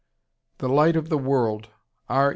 The Light of the World, R.